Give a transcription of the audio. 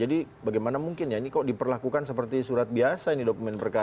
jadi bagaimana mungkin ya ini kok diperlakukan seperti surat biasa ini dokumen perkara